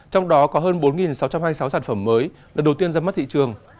trong đó có hơn bốn sáu trăm hai mươi sáu sản phẩm mới lần đầu tiên ra mắt thị trường